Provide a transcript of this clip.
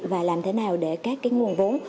và làm thế nào để các cái nguồn vốn